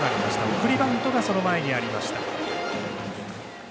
送りバントがその前にありました。